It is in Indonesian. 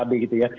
pkb gitu ya